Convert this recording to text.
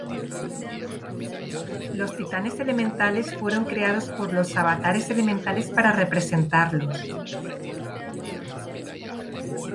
Los Titanes elementales fueron creados por los avatares elementales para representarlos.